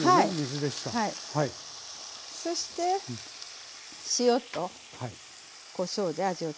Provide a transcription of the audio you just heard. そして塩とこしょうで味を付けます。